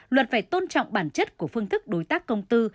luật phải tôn trọng bản chất của phương thức đối tác công tư